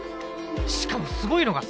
しかもすごいのがさ。